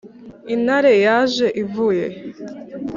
intare yaje ivuye he?